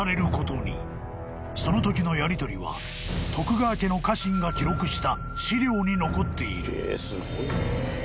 ［そのときのやりとりは徳川家の家臣が記録した史料に残っている］